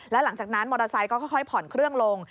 แล้วหลังจากนั้นมอเตอร์ไซค์ก็ค่อยผ่อนเครื่องลง